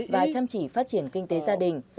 và chăm chỉ phát triển kinh tế gia đình